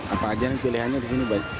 apa aja pilihannya disini